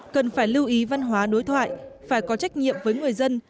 cần phải lưu ý văn hóa đối thoại phải có trách nhiệm với người dân